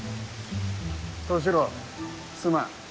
小四郎、すまん。